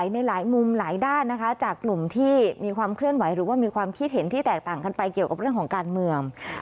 ในหลายมุมหลายด้านนะคะจากกลุ่มที่มีความเคลื่อนไหวหรือว่ามีความคิดเห็นที่แตกต่างกันไปเกี่ยวกับเรื่องของการเมือง